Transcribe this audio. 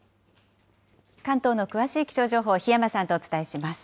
関東の詳しい気象情報、檜山さんとお伝えします。